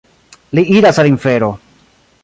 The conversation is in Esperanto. Li iras al infero.